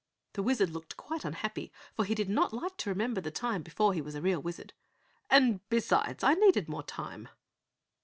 The Wizard looked quite unhappy for he did not like to remember the time before he was a real Wizard. "And besides, I needed more time."